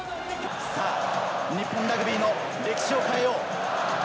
さあ、日本ラグビーの歴史を変えよう。